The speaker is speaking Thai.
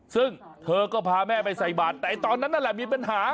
ซึ่งเธอก็พาแม่ไปใส่บาทแต่ตอนนั้นนั่นแหละมีปัญหา